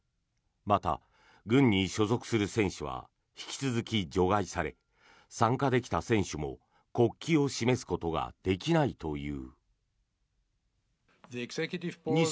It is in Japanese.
また、軍に所属する選手は引き続き除外され参加できた選手も国旗を示すことができないという。